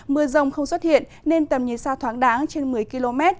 mưa rông không xuất hiện nên tầm nhìn xa thoáng đáng trên một mươi km